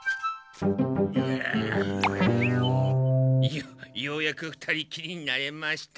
よっようやく２人きりになれました。